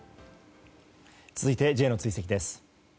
続いて、Ｊの追跡です。